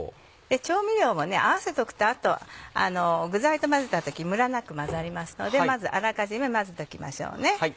調味料も合わせておくと具材と混ぜた時ムラなく混ざりますのでまずあらかじめ混ぜておきましょうね。